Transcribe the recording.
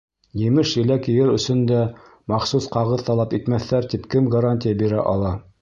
Емеш-еләк йыйыр өсөн дә махсус ҡағыҙ талап итмәҫтәр тип кем гарантия бирә ала?